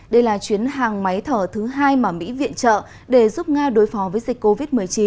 đây là chuyến hàng máy thở thứ hai mà mỹ viện trợ để giúp nga đối phó với dịch covid một mươi chín